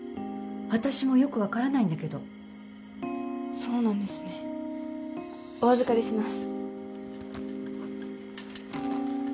私もよく分からないんだけどそうなんですねお預かりします